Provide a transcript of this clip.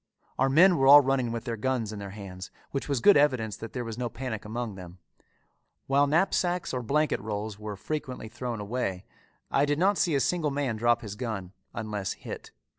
Our men were all running with their guns in their hands, which was good evidence that there was no panic among them. While knapsacks or blanket rolls were frequently thrown away, I did not see a single man drop his gun unless hit.